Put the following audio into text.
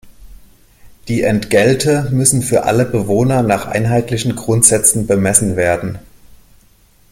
Die Entgelte müssen für alle Bewohner nach einheitlichen Grundsätzen bemessen werden.